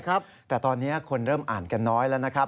ครับแต่ตอนนี้คนเริ่มอ่านกันน้อยแล้วนะครับ